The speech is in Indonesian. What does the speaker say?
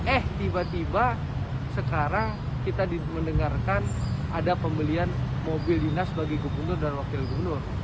eh tiba tiba sekarang kita mendengarkan ada pembelian mobil dinas bagi gubernur dan wakil gubernur